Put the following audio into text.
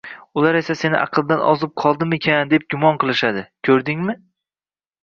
Ular esa seni, aqldan ozib qoldimikan, deb gumon qilishadi... ko‘rdingmi